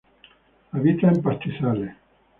Habita en pastizales.